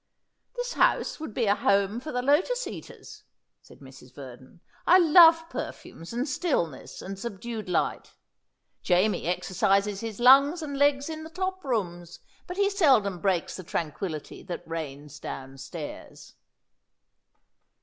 "This house would be a home for the lotus eaters," said Mrs. Verdon. "I love perfumes and stillness and subdued light. Jamie exercises his lungs and legs in the top rooms, but he seldom breaks the tranquillity that reigns downstairs."